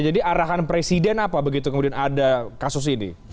jadi arahan presiden apa begitu kemudian ada kasus ini